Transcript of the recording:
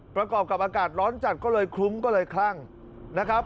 ประกอบกับอากาศร้อนจัดก็เลยคลุ้งก็เลยคลั่งนะครับ